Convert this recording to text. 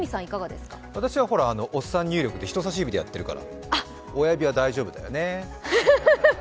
私はおっさん入力で人さし指でやってるから親指は大丈夫ですよね。